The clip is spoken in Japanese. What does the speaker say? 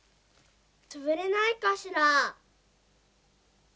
つぶれないかしら？